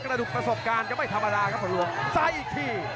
ดูประสบการณ์ก็ไม่ธรรมดาครับผลหลวงซ้ายอีกที